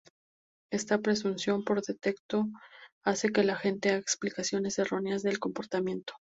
Esta presunción por defecto hace que la gente haga explicaciones erróneas del comportamiento.